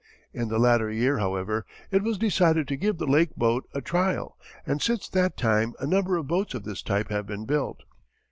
In the latter year, however, it was decided to give the Lake boat a trial and since that time a number of boats of this type have been built.